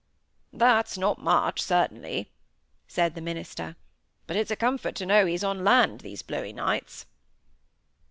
'" "That's not much, certainly," said the minister. "But it's a comfort to know he's on land these blowy nights."